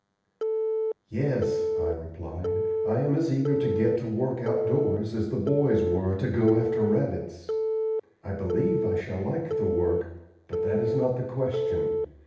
"Yes," I replied, "I am as eager to get to work outdoors as the boys were to go after rabbits. I believe I shall like the work, but that is not the question.